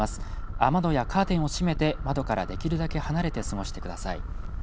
雨戸やカーテンを閉めて窓からできるだけ離れて過ごしてください。